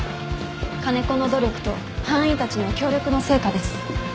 金子の努力と班員たちの協力の成果です。